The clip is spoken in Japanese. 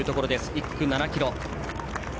１区７ｋｍ。